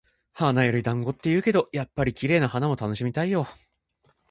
「花より団子」って言うけど、やっぱり綺麗な花も楽しみたいよ。